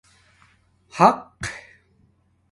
حَق